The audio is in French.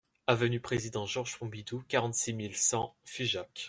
Avenue Président Georges Pompidou, quarante-six mille cent Figeac